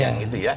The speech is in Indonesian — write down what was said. yang itu ya